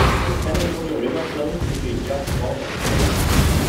The San Antonio River flows into it just north of Tivoli.